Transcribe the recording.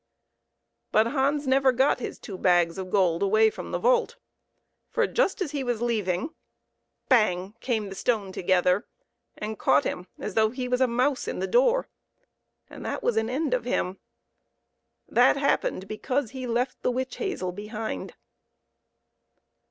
But Hans never got his two bags of gold away from the vault, for just as he was leaving bang! came the stone together, and caught him as though he was a mouse in the door; and that was an end of him. That happened because he left the witch hazel behind.